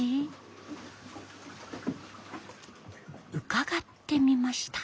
伺ってみました。